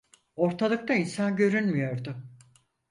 Ortalıkta insan görünmüyordu.